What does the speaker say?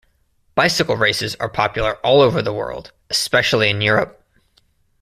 Bicycle races are popular all over the world, especially in Europe.